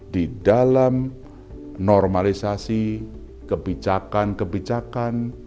di dalam normalisasi kebijakan kebijakan